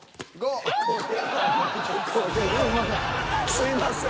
すいません。